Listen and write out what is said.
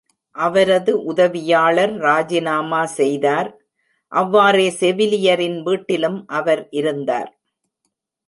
அவரது உதவியாளர் ராஜினாமா செய்தார். அவ்வாறே செவிலியரின் வீட்டிலும் அவர் இருந்தார்.